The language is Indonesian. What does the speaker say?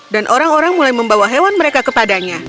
dan orang orang mulai membawa hewan mereka kepadanya